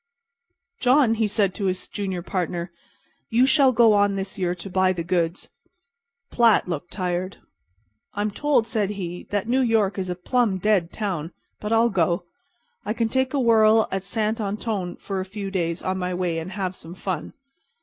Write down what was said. "John," he said, to his junior partner, "you shall go on this year to buy the goods." Platt looked tired. "I'm told," said he, "that New York is a plumb dead town; but I'll go. I can take a whirl in San Antone for a few days on my way and have some fun."